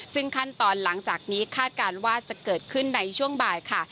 ซึ่งขั้นตอนหลังจากนี้คาดการณ์ว่าจะเกิดขึ้นในช่วงบ่ายค่ะ